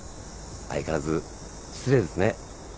相変わらず失礼ですね。